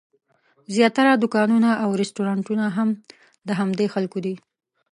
زیاتره دوکانونه او رسټورانټونه هم د همدې خلکو دي.